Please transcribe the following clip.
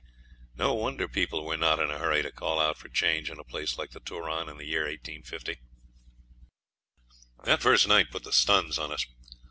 No wonder people were not in a hurry to call out for change in a place like the Turon in the year 1850! The first night put the stuns on us.